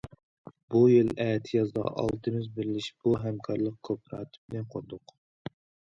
بۇ يىل ئەتىيازدا ئالتىمىز بىرلىشىپ بۇ ھەمكارلىق كوپىراتىپىنى قۇردۇق.